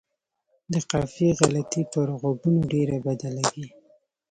د قافیې غلطي پر غوږونو ډېره بده لګي.